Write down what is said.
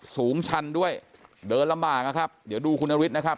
สูงชันด้วยเดินลำบากนะครับเดี๋ยวดูคุณนฤทธินะครับ